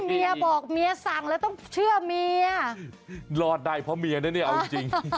เมียบอกเมียสั่งแล้วต้องเชื่อเมียรอดได้เพราะเมียนะเนี่ยเอาจริง